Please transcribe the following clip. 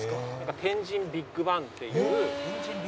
「天神ビッグバン」っていうなんか